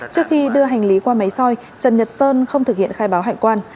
trước khi đưa hành lý qua máy soi trần nhật sơn không thực hiện khai báo hải quan